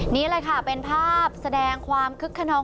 นี่แหละค่ะเป็นภาพแสดงความคึกขนอง